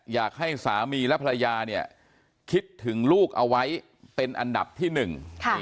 อยากให้สามีและภรรยาเนี่ยคิดถึงลูกเอาไว้เป็นอันดับที่หนึ่ง